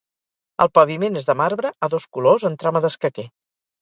El paviment és de marbre a dos colors en trama d'escaquer.